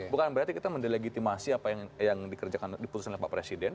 bukan berarti kita mendelegitimasi apa yang diputuskan oleh pak presiden